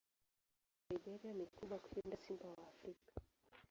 Aina ya Siberia ni kubwa kushinda simba wa Afrika.